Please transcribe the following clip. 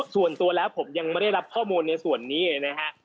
ส่วนตัวแล้วผมยังไม่ได้รับข้อมูลในส่วนนี้เลยนะฮะ